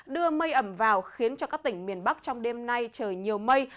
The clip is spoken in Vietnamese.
đưa mây ẩm vào khiến cho các tỉnh miền bắc trong đêm nay trời nhiều mây